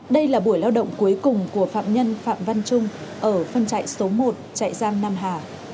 đây là buổi lao động cuối cùng của phạm nhân phạm văn trung ở phân chạy số một trại giam nam hà